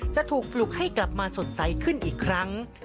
จะถูกปลุกให้กลับมาสดใสขึ้นอีกครั้ง